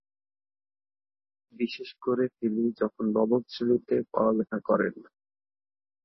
বিশেষ করে তিনি যখন নবম শ্রেণিতে পড়ালেখা করেন।